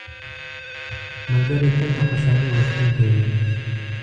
ملګری تل د خوشحالۍ غوښتونکی وي